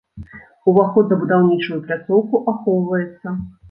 Уваход на будаўнічую пляцоўку ахоўваецца.